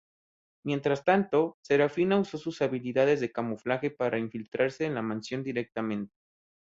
Mientras tanto, Serafina usó sus habilidades de camuflaje para infiltrarse en la mansión directamente.